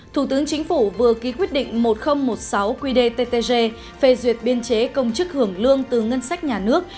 thủ tướng chính phủ vừa ký quyết định một nghìn một mươi sáu qdttg phê duyệt biên chế công chức hưởng lương từ ngân sách nhà nước